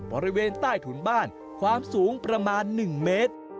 บริเวณใต้ถุนบ้านความสูงประมาณ๑เมตร